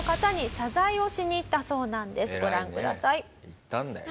行ったんだよ。